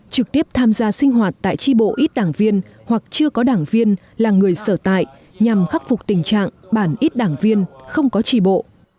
trực tiếp tham gia sinh hoạt tại tri bộ ít đảng viên hoặc chưa có đảng viên là người sở tại nhằm khắc phục tình trạng bản ít đảng viên không có tri bộ